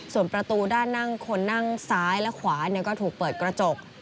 ส่วนประตูด้านนั่งคนนั่งซ้ายและขวาก็ถูกเปิดกระจก